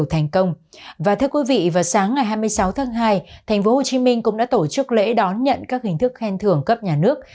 thành phố hồ chí minh cũng đã tổ chức lễ đón nhận các hình thức khen thưởng cấp nhà nước